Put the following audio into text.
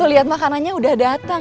lihat makanannya udah datang